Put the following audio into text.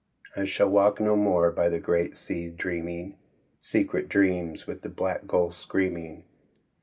'' I shall walk no more by the great sea dreaming Secret dreams, with the black gull screaming.